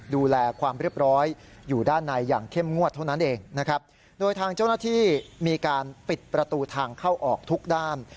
ดูแลความเรียบร้อยอยู่ด้านในอย่างเข้มงวดเท่านั้นเองนะครับโดยทางเจ้าหน้าที่มีการปิดประตูทางเข้าออกทุกด้าน